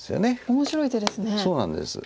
面白い手ですね。